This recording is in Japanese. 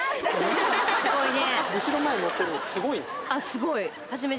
・すごいね。